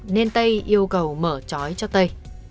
nên tây yêu cầu mở chói cho tây